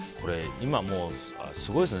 今すごいですよね。